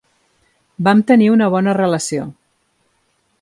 Vam tenir una bona relació.